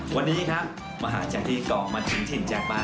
วันนี้มาหาอาจารย์ที่กองมาถึงที่่นแจ๊คบ้าน